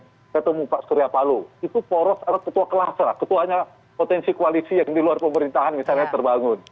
ketemu pak surya palo itu poros adalah ketua kelas lah ketuanya potensi koalisi yang di luar pemerintahan misalnya terbangun